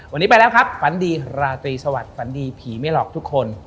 วันนี้ไปแล้วครับฝันดีราตรีสวัสดิฝันดีผีไม่หลอกทุกคน